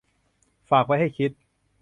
ฝากไว้ให้คิด